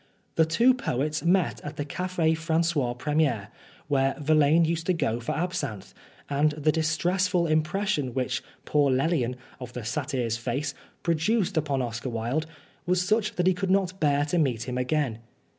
The two poets met at the Cafe" Francois Premier, where Verlaine used to go for absinthe, and the distressful impression which poor Lelian, of the satyr's face, produced upon Oscar Wilde, was such that he could not bear to meet him again.